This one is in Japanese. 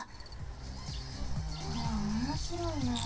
これおもしろいな。